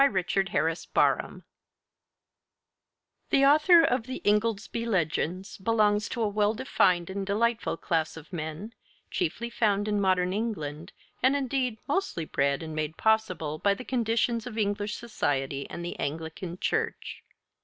RICHARD HARRIS BARHAM (1788 1845) The author of the 'Ingoldsby Legends' belonged to a well defined and delightful class of men, chiefly found in modern England, and indeed mostly bred and made possible by the conditions of English society and the Anglican Church.